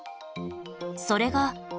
それが